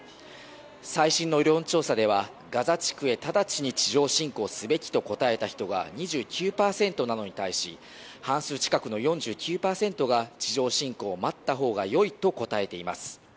最新の世論調査ではガザ地区に直ちに地上侵攻すべきと答えた人が２９％に対し半数近くの４９％が地上侵攻を待ったほうが良いと答えています。